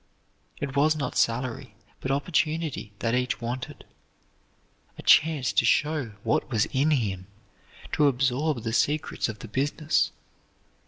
It was not salary, but opportunity, that each wanted, a chance to show what was in him, to absorb the secrets of the business.